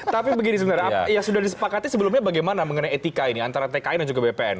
tapi begini sebenarnya sudah disepakati sebelumnya bagaimana mengenai etikain antara pekanya juga bpen